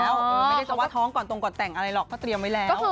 ไม่ได้ตัวว่าท้องก่อนตรงกว่าแต่งอะไรหรอกก็เตรียมไว้แล้ว